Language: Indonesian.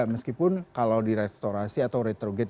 walaupun kalau di restorasi atau retrograde